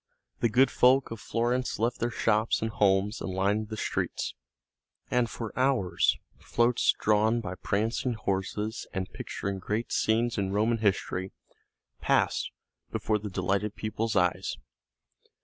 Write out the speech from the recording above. The good folk of Florence left their shops and homes and lined the streets, and for hours floats drawn by prancing horses and picturing great scenes in Roman history passed before the delighted people's eyes.